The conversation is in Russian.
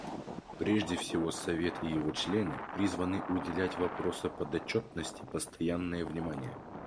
Прежде всего Совет и его члены призваны уделять вопросу подотчетности постоянное внимание.